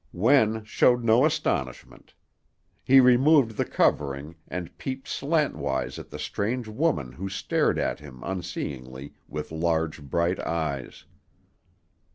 Wen showed no astonishment. He removed the covering and peeped slantwise at the strange woman who stared at him unseeingly with large, bright eyes.